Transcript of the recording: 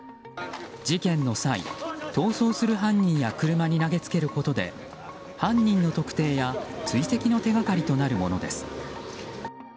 事件の際、逃走する犯人や車に投げつけることで犯人の特定や追跡の手掛かりとなるものです。